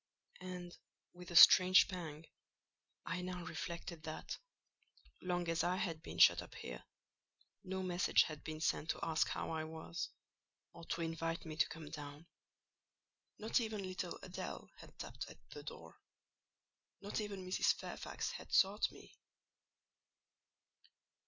And, with a strange pang, I now reflected that, long as I had been shut up here, no message had been sent to ask how I was, or to invite me to come down: not even little Adèle had tapped at the door; not even Mrs. Fairfax had sought me.